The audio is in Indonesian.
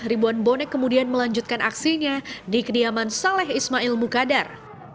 ribuan bonek kemudian melanjutkan aksinya di kediaman saleh ismail mukadar